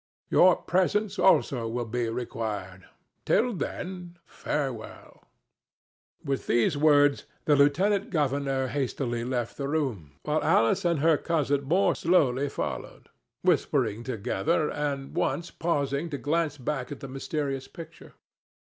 Your presence also will be required. Till then, farewell." With these words the lieutenant governor hastily left the room, while Alice and her cousin more slowly followed, whispering together, and once pausing to glance back at the mysterious picture.